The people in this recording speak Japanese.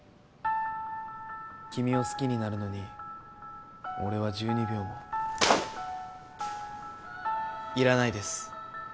君を好きになるのに俺は１２秒もいらないです！